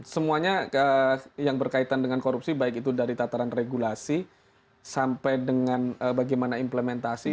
semuanya yang berkaitan dengan korupsi baik itu dari tataran regulasi sampai dengan bagaimana implementasi